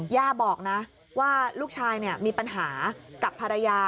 ย่าบอกนะว่าลูกชายมีปัญหากับภรรยา